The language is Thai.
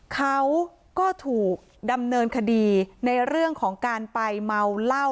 เขาก็ถูกดำเนินคดีในเรื่องของการไปเมาเหล้า